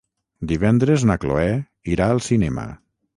Divendres na Cloè irà al cinema.